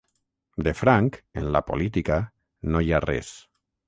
De franc, en la política, no hi ha res.